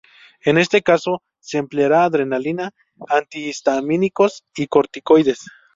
En este caso, se empleará adrenalina, antihistamínicos y corticoides.